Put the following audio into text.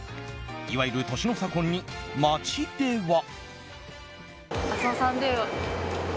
いわゆる年の差婚に、街では。